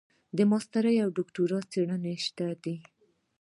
ماسټري او دوکتورا څېړونکي شته دي.